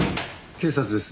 警察です。